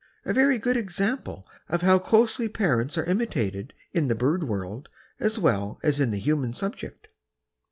A very good example of how closely parents are imitated, in the bird world, as well as in the human subject.